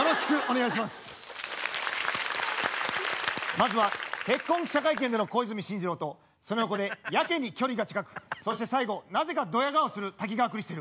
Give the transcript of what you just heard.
まずは結婚記者会見での小泉進次郎とその横でやけに距離が近くそして最後なぜかどや顔をする滝川クリステル。